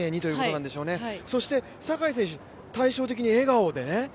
そして坂井選手、対照的に笑顔でね。